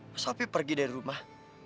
masa opi pergi dari rumah